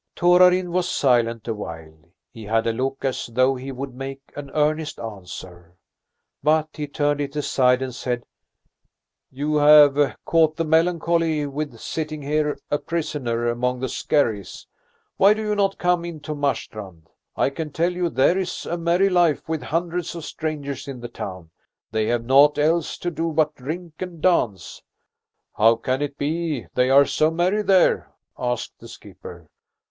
Torarin was silent awhile. He had a look as though he would make an earnest answer. But he turned it aside and said: "You have caught the melancholy with sitting here a prisoner among the skerries. Why do you not come in to Marstrand? I can tell you there is a merry life with hundreds of strangers in the town. They have naught else to do but drink and dance." "How can it be they are so merry there?" asked the skipper.